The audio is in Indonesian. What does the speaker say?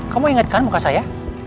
kamu ingatkan muka saya